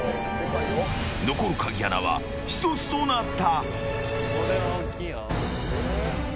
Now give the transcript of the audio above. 残る鍵穴は１つとなった。